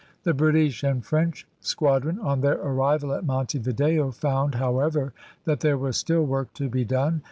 The British and French squadron, on their arrival at Monte Video, found, however, that there was still work to be done.